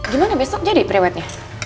gimana besok jadi pre wednya